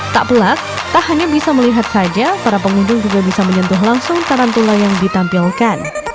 tak pelak tak hanya bisa melihat saja para pengunjung juga bisa menyentuh langsung tarantula yang ditampilkan